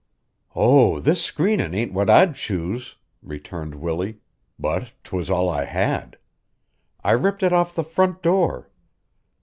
"Oh, this screenin' ain't what I'd choose," returned Willie, "but 'twas all I had. I ripped it off the front door.